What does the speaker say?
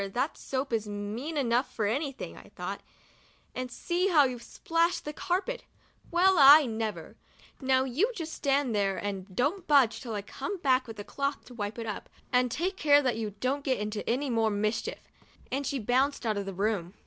that soap is mean enough for anything,* I thought), and see how you've splashed the carpet ! Well, I never ! Now just you stand there and don't budge till I come back with a cloth to wipe it up, and take care that you don't get into any more mischief !' and she bounced out of the room.